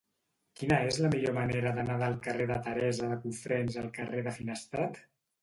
Quina és la millor manera d'anar del carrer de Teresa de Cofrents al carrer de Finestrat?